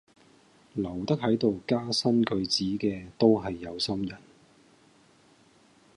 留得喺度加新句子嘅都係有心人